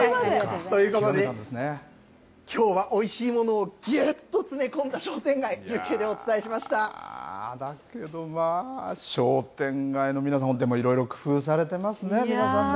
ということで、きょうはおいしいものをぎゅっと詰め込んだ商店街、だけどまあ、商店街の皆さん、でもいろいろ工夫されてますね、皆さんね。